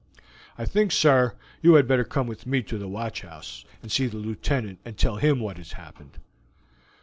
"I think, sir, you had better come with me to the watch house, and see the Lieutenant, and tell him what has happened."